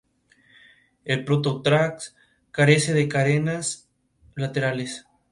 El protórax carece de carenas laterales.